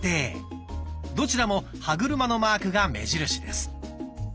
どちらも歯車のマークが目印です。